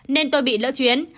nên tôi bị lỡ chuyến